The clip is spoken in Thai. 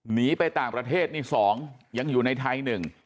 หนีไปต่างประเทศนี่๒ยังอยู่ในไทย๑